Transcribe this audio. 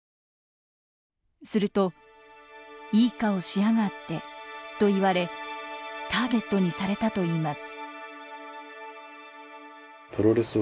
すると「いい顔しやがって」と言われターゲットにされたといいます。